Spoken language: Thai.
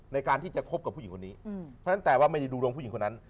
ในการที่จะคบกับผู้หญิงคนนี้เพราะฉะนั้นแต่ว่าไม่ได้ดูดวงผู้หญิงคนนั้น